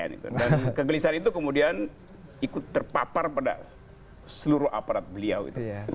dan kegelisahan itu kemudian ikut terpapar pada seluruh aparat beliau itu